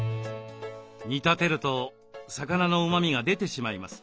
煮立てると魚のうまみが出てしまいます。